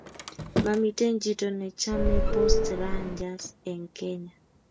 Mamiten chito ne chame Post rangers en Kenya